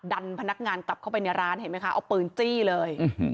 พนักงานกลับเข้าไปในร้านเห็นไหมคะเอาปืนจี้เลย